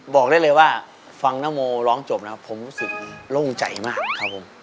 บอกได้เลยว่าฟังนโมร้องจบแล้วผมรู้สึกโล่งใจมากครับผม